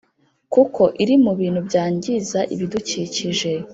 kuko iri mu bintu byangiza ibidukikije